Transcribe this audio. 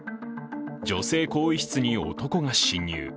女性更衣室に男が侵入。